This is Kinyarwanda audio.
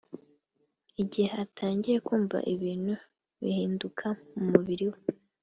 igihe atangiye kumva ibintu bihinduka mu mubiri we